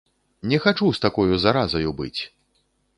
Не хачу з такою заразаю быць!